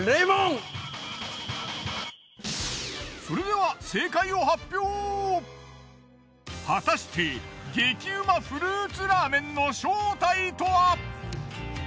それでは果たして激うまフルーツラーメンの正体とは！？